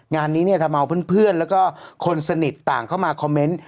งานนี้เนี่ยทำเอาเพื่อนแล้วก็คนสนิทต่างเข้ามาคอมเมนต์